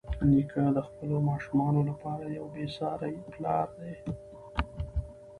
نیکه د خپلو ماشومانو لپاره یو بېساري پلار دی.